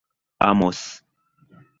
amos